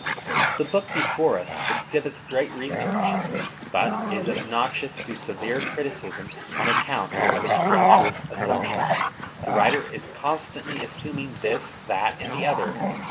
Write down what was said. The book before us exhibits great research, but is obnoxious to severe criticism, on account of its gratuitous assumptions. The writer is constantly assuming this, that, and the other.